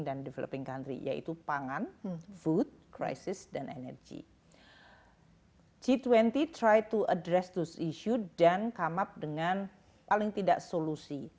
dan tidak solusi